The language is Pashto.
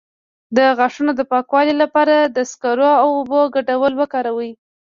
د غاښونو د پاکوالي لپاره د سکرو او اوبو ګډول وکاروئ